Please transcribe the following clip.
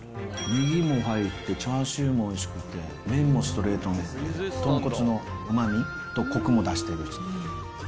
ネギも入って、チャーシューもおいしくて麺もストレート麺で、豚骨のうまみとコクも出してる。